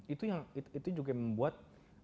itu juga membuat siapa yang diumumkan